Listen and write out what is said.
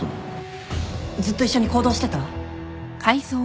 ずっと一緒に行動してた？